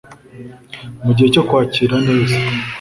Mugihe cyo kwakira neza